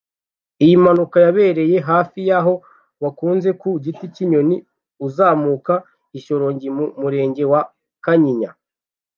Iyi mpanuka yabereye hafi y’aho bakunze ku Giti cy’Inyoni uzamuka i Shyorongi mu Murenge wa Kanyinya